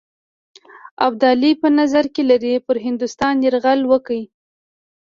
ابدالي په نظر کې لري پر هندوستان یرغل وکړي.